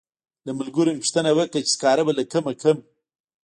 له ملګرو مې پوښتنه وکړه چې سکاره به له کومه کړم.